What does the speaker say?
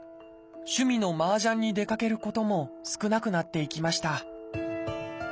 趣味のマージャンに出かけることも少なくなっていきました。